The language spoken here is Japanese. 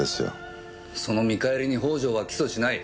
その見返りに北条は起訴しない。